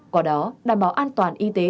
còn đó đảm bảo an toàn y tế